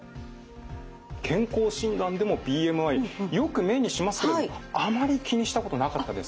健康診断でもＢＭＩよく目にしますけれどもあまり気にしたことなかったです。